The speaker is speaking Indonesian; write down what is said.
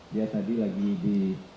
dia tadi lagi di